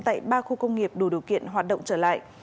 tại ba khu công nghiệp đủ điều kiện hoạt động trở lại